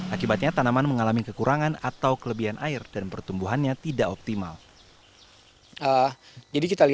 akibatnya tanaman mengalami kekurangan atau kelebihan air dan pertumbuhannya tidak optimal